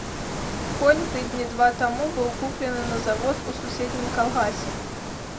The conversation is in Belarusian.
Конь тыдні два таму быў куплены на завод у суседнім калгасе.